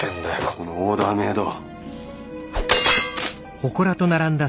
このオーダーメード。